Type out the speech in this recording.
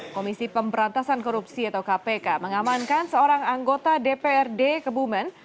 komisi pemberantasan korupsi atau kpk mengamankan seorang anggota dprd kebumen